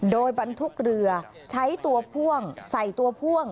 โดยบรรทุกเรือใช้ตัวพ่วงใส่ตัวพ่วง